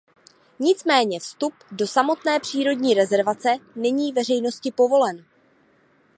Nicméně vstup do samotné přírodní rezervace není veřejnosti povolen.